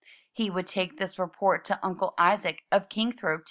He would take this report to Uncle Isaac of Kingthorpe, too.